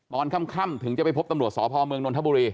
ตอนค่ำถึงจะไปพบตำรวจสพเมืองนนทบุรี